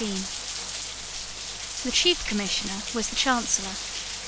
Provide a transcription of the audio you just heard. The chief Commissioner was the Chancellor.